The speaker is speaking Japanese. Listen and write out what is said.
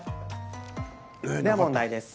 では問題です。